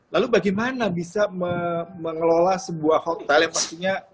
lalu bagaimana bisa mengelola sebuah hotel yang pastinya